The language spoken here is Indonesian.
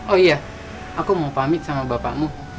oh iya aku mau pamit sama bapakmu